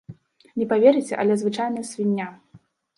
Не паверыце, але звычайная свіння.